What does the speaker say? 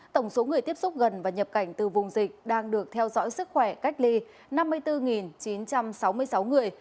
tổng số người tiếp xúc gần và nhập cảnh từ vùng dịch đang được theo dõi sức khỏe cách ly năm mươi bốn chín trăm sáu mươi sáu người